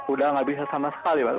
udah gak bisa sama sekali pak